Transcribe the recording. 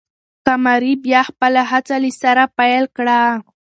قمري بیا خپله هڅه له سره پیل کړه.